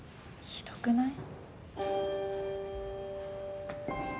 ひどくない？